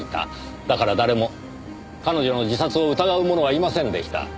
だから誰も彼女の自殺を疑う者はいませんでした。